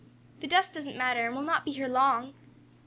The dust doesn't matter, and we'll not be here long."